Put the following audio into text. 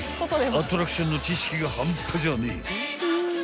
［アトラクションの知識が半端じゃねえ］